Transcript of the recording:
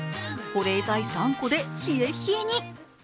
保冷剤３個で冷え冷えに。